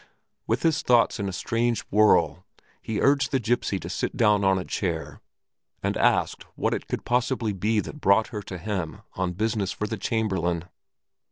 With his thoughts in a strange whirl he urged the gipsy to sit down on a chair and asked what it could possibly be that brought her to him on business for the Chamberlain.